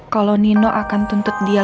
kalo nino akan tuntut dia lagi